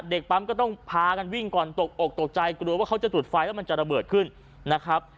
เด็กปั๊มก็ต้องพากันวิ่งก่อนตกอกตกใจกลัวว่าเขาจะจุดไฟแล้วมันจะระเบิดขึ้นนะครับ